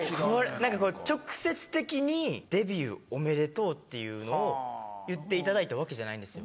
なんかこう直接的に「デビューおめでとう」っていうのを言っていただいたわけじゃないんですよ。